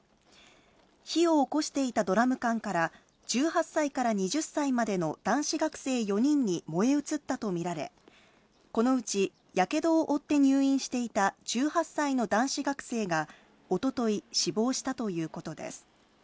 火をおこしていたドラム缶から、１８歳から２０歳までの男子学生４人に燃え移ったと見られ、このうち、やけどを負って入院していた１８歳の男子学生が、おととい死亡したということです。